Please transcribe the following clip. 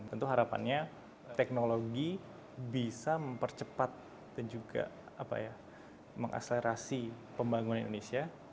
tentu harapannya teknologi bisa mempercepat dan juga mengakselerasi pembangunan indonesia